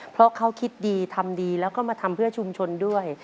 เพราะเขาคิดดีทำดีแล้วก็มาทำเพื่อชุมชนด้วย